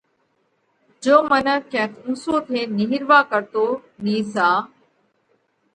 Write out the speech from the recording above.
جيو منک ڪينڪ اُنسو ٿينَ نِيهروا ڪرتو نيسا